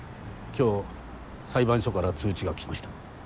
今日裁判所から通知が来ました。